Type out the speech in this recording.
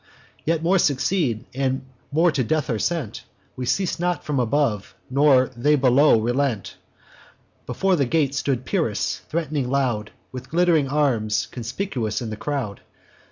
Yet more succeed, and more to death are sent; We cease not from above, nor they below relent. Before the gate stood Pyrrhus, threat'ning loud, With glitt'ring arms conspicuous in the crowd.